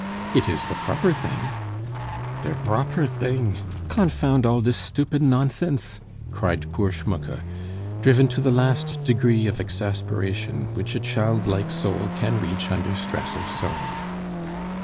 "It is the proper thing." "Der bropper ding!... Confound all dis stupid nonsense!" cried poor Schmucke, driven to the last degree of exasperation which a childlike soul can reach under stress of sorrow.